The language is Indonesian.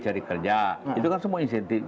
cari kerja itu kan semua insentif